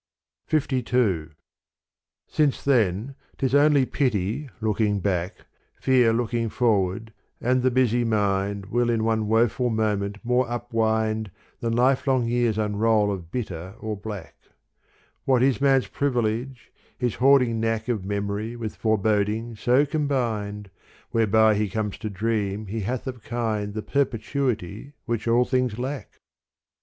V LII Since then 't is only pity looking back, Fear looking forward, and the busy mind Will in one woeful moment more upwind Than lifelong years unroll of bitter or black : What is man's privilege, his hoarding knack Of memory with foreboding so combined, Whereby he comes to dream he hath of kind The perpetuity which all things lack